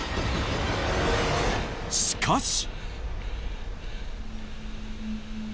しかし！